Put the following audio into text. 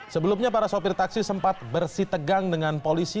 sebelumnya para sopir taksi sempat bersitegang dengan polisi